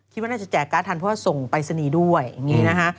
คิดว่าน่าจะแจกการ์ดทันเพราะว่าส่งปรายศนีย์ด้วยอย่างนี้นะคะ